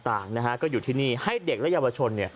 พอพาไปดูก็จะพาไปดูที่เรื่องของเครื่องบินเฮลิคอปเตอร์ต่าง